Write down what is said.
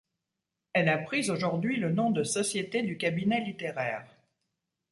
Elle a pris aujourd'hui le nom de Société du Cabinet Littéraire.